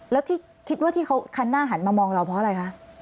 แล้วที่คิดว่าที่เขาคันหน้าหันมามองเราเพราะอะไรคะ